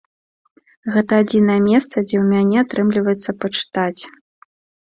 Гэта адзінае месца, дзе ў мяне атрымліваецца пачытаць.